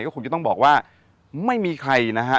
ก็คงจะต้องบอกว่าไม่มีใครนะฮะ